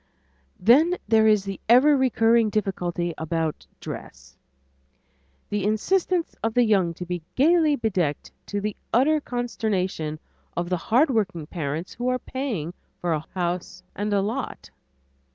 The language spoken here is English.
Then there is the ever recurring difficulty about dress; the insistence of the young to be gayly bedecked to the utter consternation of the hardworking parents who are paying for a house and lot.